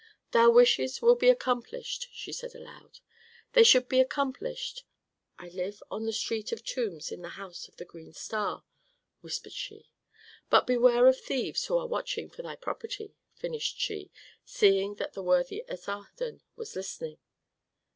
_ Thy wishes will be accomplished," said she, aloud. "They should be accomplished. I live on the Street of Tombs in the house of the Green Star," whispered she. "But beware of thieves who are watching for thy property," finished she, seeing that the worthy Asarhadon was listening.